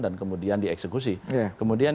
dan kemudian dieksekusi kemudian